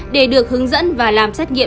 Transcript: để được hướng dẫn và làm xét nghiệm